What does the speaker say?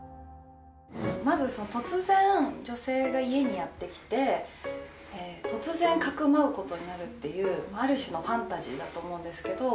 まず突然女性が家にやって来て突然匿うことになるっていうある種のファンタジーだと思うんですけど。